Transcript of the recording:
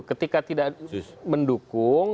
ketika tidak mendukung